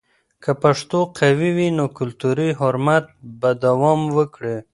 که پښتو قوي وي، نو کلتوري حرمت به دوام وکړي.